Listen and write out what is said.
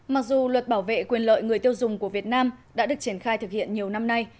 mặc dù luật bảo vệ quyền lợi người tiêu dùng của việt nam đã được triển khai thực hiện nhiều năm nay